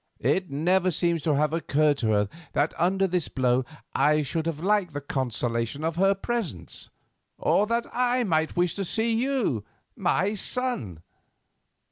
It never seems to have occurred to her that under this blow I should have liked the consolation of her presence, or that I might wish to see you, my son.